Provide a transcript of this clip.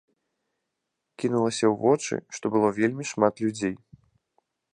Кінулася ў вочы, што было вельмі шмат людзей.